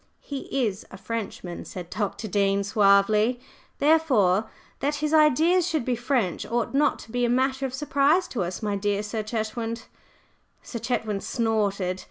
"He is a Frenchman," said Dr. Dean, suavely. "Therefore that his ideas should be French ought not to be a matter of surprise to us, my dear Sir Chetwynd." Sir Chetwynd snorted.